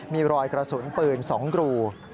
มีรอยกระสุนปืน๒รู